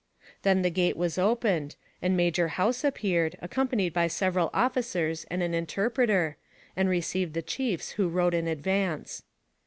Then the gate was opened, and Major House appeared, accompanied by several officers and an interpreter, and received the chiefs who rode in advance.